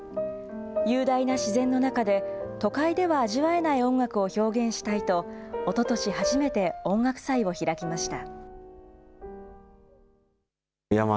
雄大な自然の中で、都会では味わえない音楽を表現したいと、おととし初めて音楽祭を開きました。